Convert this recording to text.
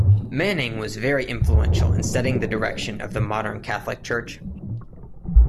Manning was very influential in setting the direction of the modern Catholic Church.